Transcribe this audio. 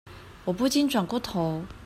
我不禁轉過頭